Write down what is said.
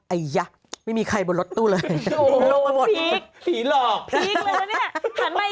อัิจฆะไม่มีใครบนรถตู้เลย